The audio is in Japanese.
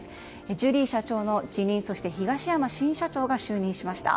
ジュリー社長の辞任と東山新社長が就任しました。